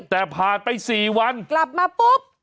แต่ผ่านไป๔วันกลับมาปุ๊บ